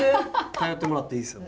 頼ってもらっていいですよ